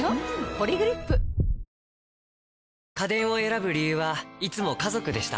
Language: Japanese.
「ポリグリップ」家電を選ぶ理由はいつも家族でした。